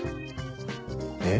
えっ？